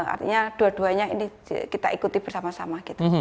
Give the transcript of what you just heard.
artinya dua duanya ini kita ikuti bersama sama gitu